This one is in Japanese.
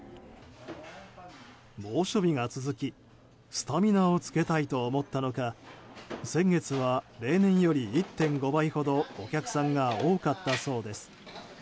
猛暑日が続きスタミナをつけたいと思ったのか先月は例年より１．５倍ほどお客さんが多かったそうです。